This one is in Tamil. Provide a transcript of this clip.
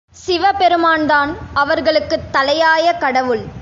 சிவபெருமான்தான் அவர்களுக்குத் தலையாய கடவுள்.